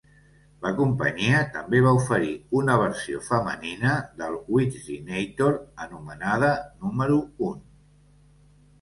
La companyia també va oferir una versió femenina del "Whizzinator", anomenada "Número un".